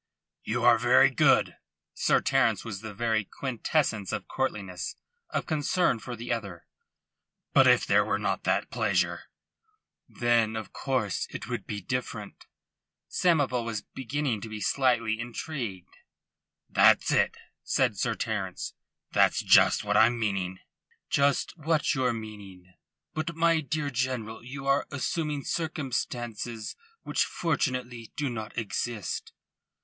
"You are very good." Sir Terence was the very quintessence of courtliness, of concern for the other. "But if there were not that pleasure?" "Then, of course, it would be different." Samoval was beginning to be slightly intrigued. "That's it," said Sir Terence. "That's just what I'm meaning." "Just what you're meaning? But, my dear General, you are assuming circumstances which fortunately do not exist."